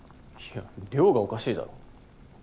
いや量がおかしだろ。